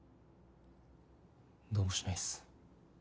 どうもしないっす。